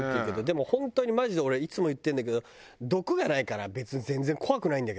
でも本当にマジで俺いつも言ってるんだけど毒がないから別に全然怖くないんだけど。